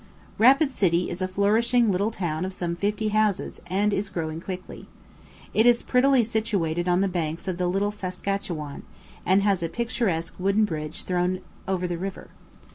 Rapid City is a flourishing little town of some fifty houses, and is growing quickly. It is prettily situated on the banks of the Little Saskatchewan, and has a picturesque wooden bridge thrown over the river.